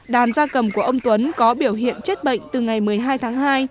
đàn gia cầm của ông tuấn có biểu hiện chết bệnh từ ngày một mươi hai tháng hai